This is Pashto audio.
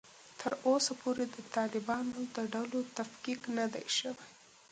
تر اوسه پورې د طالبانو د ډلو تفکیک نه دی شوی